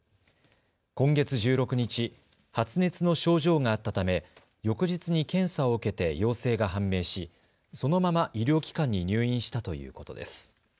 今月１６日、発熱の症状があったため翌日に検査を受けて陽性が判明しそのまま医療機関に入院したということです。